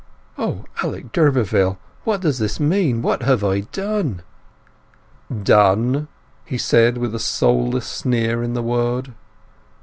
"O Alec d'Urberville! what does this mean? What have I done!" "Done?" he said, with a soulless sneer in the word.